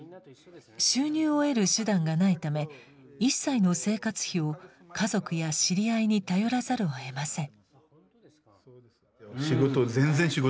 収入を得る手段がないため一切の生活費を家族や知り合いに頼らざるをえません。